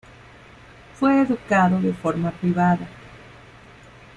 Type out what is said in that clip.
Fue educado de forma privada.